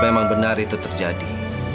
memang benar itu terjadi